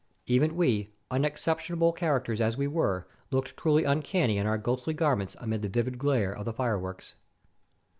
Even we, unexceptionable charac ters as we were, looked truly uncanny in our ghostly garments, amid the livid glare of the fireworks.